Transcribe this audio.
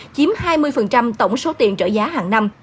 chiếm hai mươi tổng số tiền trợ giá hàng năm